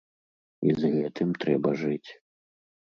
І з гэтым трэба жыць.